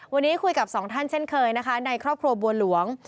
วันนี้คุยกับสองท่านเช่นเคยนะคะในครอบครัวบัวหลวง